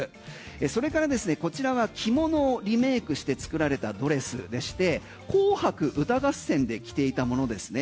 それからですね、こちらは着物をリメイクして作られたドレスで「紅白歌合戦」で着ていたものですね。